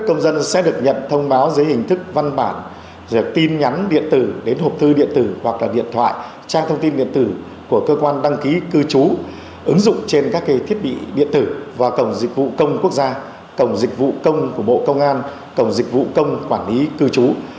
công dân sẽ được nhận thông báo dưới hình thức văn bản tin nhắn điện tử đến hộp thư điện tử hoặc là điện thoại trang thông tin điện tử của cơ quan đăng ký cư trú ứng dụng trên các thiết bị điện tử và cổng dịch vụ công quốc gia cổng dịch vụ công của bộ công an cổng dịch vụ công quản lý cư trú